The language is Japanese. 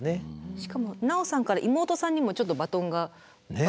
しかも奈緒さんから妹さんにもちょっとバトンが渡ってますものね。